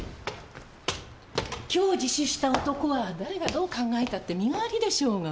今日自首した男は誰がどう考えたって身代わりでしょうが。